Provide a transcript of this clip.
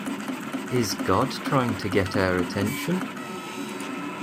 Is God trying to get our attention?